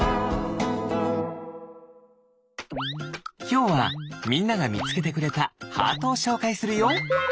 きょうはみんながみつけてくれたハートをしょうかいするよ。